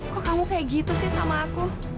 kok kamu kayak gitu sih sama aku